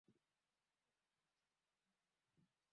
waandamanaji wanaodai unafua maisha na ajira